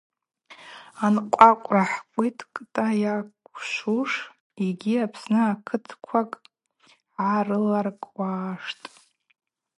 Анкъвакъвраква ххъвыкӏта йакӏвшуштӏ йгьи Апсны акытквакӏ гӏарыларкӏуаштӏ.